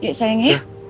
yuk sayang ya